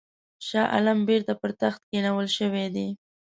شاه عالم بیرته پر تخت کښېنول شوی دی.